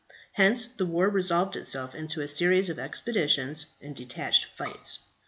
Hence the war resolved itself into a series of expeditions and detached fights.